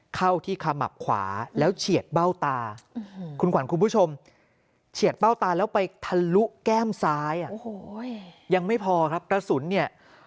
เข้าที่ขมับขวาแล้วเฉียดเบ้าตาคุณขวัญคุณผู้ชมเฉียดเบ้าตาแล้วไปทะลุแก้มซ้ายอ่ะ